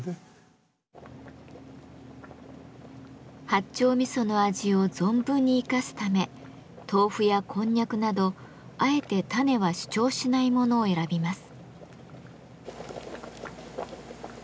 八丁味噌の味を存分に生かすため豆腐やこんにゃくなどあえて種は主張しないものを選びます。